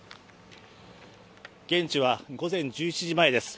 現地は午前１１時前です。